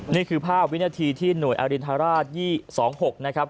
นี่คือภาพวินาทีที่หน่วยอรินทราช๒๖นะครับ